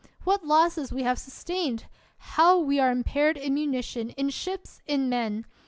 What losses we have sustained ! How we are impaired in munition, in ships, in men